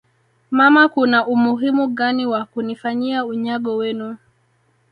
mama Kuna umuhimu gani wa kunifanyia unyago wenu